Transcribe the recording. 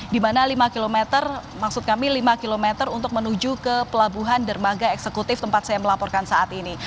di mana lima km maksud kami lima km untuk menuju ke pelabuhan dermaga eksekutif tempat saya melaporkan saat ini